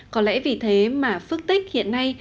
có lẽ vì thế mà phước tích hiện nay